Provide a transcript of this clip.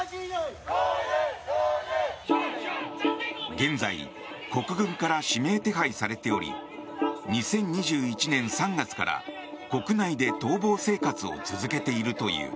現在、国軍から指名手配されており２０２１年３月から国内で逃亡生活を続けているという。